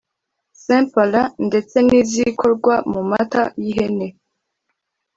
St Paulin ndetse n’zikorwa mu mata y’ihene